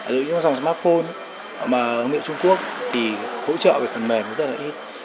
dù như smartphone mà hướng điệu trung quốc thì hỗ trợ về phần mềm rất là ít